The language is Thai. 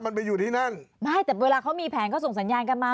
มันไปอยู่ที่นั่นไม่แต่เวลาเขามีแผนเขาส่งสัญญาณกันมา